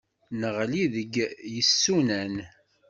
Neɣli deg yisunan.